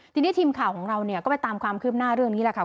ทีนี้ทีมข่าวของเราเนี่ยก็ไปตามความคืบหน้าเรื่องนี้แหละค่ะ